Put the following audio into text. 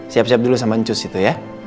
siap siap dulu sama cus itu ya